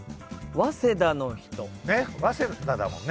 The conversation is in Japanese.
早稲田だもんね。